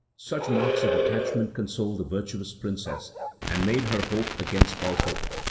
Such marks of attachment consoled the virtuous Princess, and made her hope against all hope.